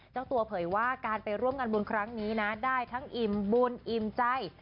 เจ้าตัวเผยว่าการไปร่วมงานบุญครั้งนี้นะได้ทั้งอิ่มบุญอิ่มใจ